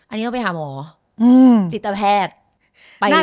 อันนี้ต้องไปหาหมอจิตแพทย์ไปเลยค่ะ